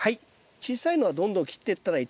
小さいのはどんどん切ってったらいいと思います。